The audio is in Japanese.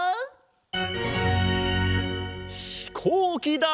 ひこうきだ！